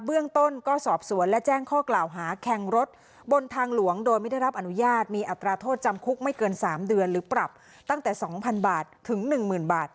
เบื้องต้นก็สอบสวนและแจ้งข้อกล่าวหาแข่งรถบนทางหลวงโดยไม่ได้รับอนุญาตมีอัตราโทษจำคุกไม่เกิน๓เดือนหรือปรับตั้งแต่๒๐๐๐บาทถึง๑๐๐๐บาท